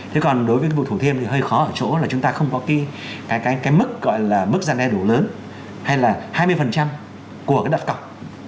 thế còn đối với vụ thủ thiêm thì hơi khó ở chỗ là chúng ta không có cái mức gọi là mức gian đe đủ lớn hay là hai mươi của cái đặt cọc